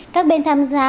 các bên tham gia